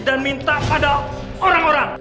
dan minta pada orang orang